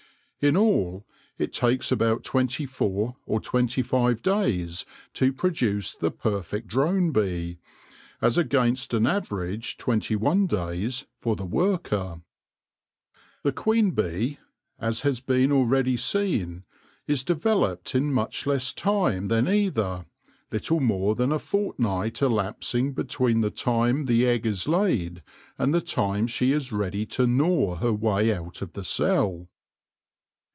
In all, it takes about twenty four or twenty five days to produce the perfect drone bee, as against an average twenty one days for the worker. The queen bee, as has been already seen, is developed in much less time than either, little more than a fortnight elapsing between the time the egg is laid and the time she is ready to gnaw her way out of the cell.